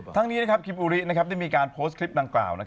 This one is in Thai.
ทั้งนี้คิมอุริได้มีการโพสต์คลิปดังกล่าว